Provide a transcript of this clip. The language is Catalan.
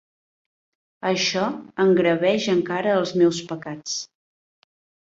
Això engreveix encara els meus pecats.